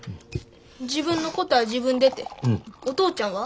自分のことは自分でてお父ちゃんは？